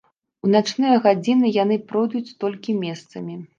У начныя гадзіны яны пройдуць толькі месцамі.